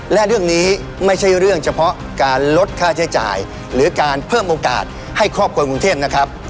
และเรื่องนี้ไม่ใช่เรื่องเฉพาะการลดค่าใช้จ่ายหรือการเพิ่มโอกาสให้ครอบครัวกรุงเทพนะครับ